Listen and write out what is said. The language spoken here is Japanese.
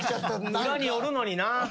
裏におるのにな。